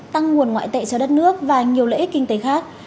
tăng nguồn ngoại tệ cho đất nước và nhiều lợi ích kinh tế khác